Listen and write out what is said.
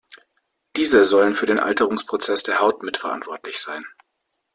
Diese sollen für den Alterungsprozess der Haut mitverantwortlich sein.